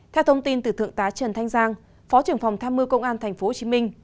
theo thông tin từ thượng tá trần thanh giang phó trưởng phòng tham mưu công an tp hcm